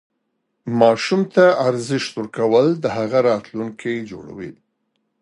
ماشوم ته ارزښت ورکول د هغه راتلونکی جوړوي.